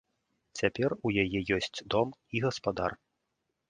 Цяпер у яе ёсць дом і гаспадар.